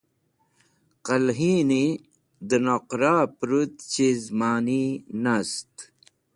Qẽlhini dẽ noqra pẽrũt chiz mani nast.